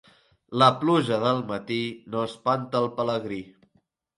La pluja del matí no espanta el pelegrí.